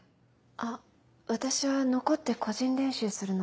あ私は残って個人練習するので。